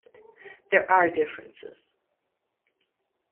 There are differences.